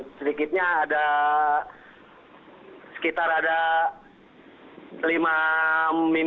sedikitnya ada sekitar ada lima minim